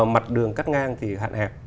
mặt đường cắt ngang thì hạn hẹp